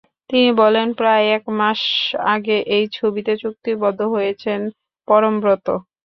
তিনি বলেন, প্রায় এক মাস আগে এই ছবিতে চুক্তিবদ্ধ হয়েছেন পরমব্রত।